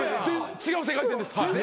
違う世界線です。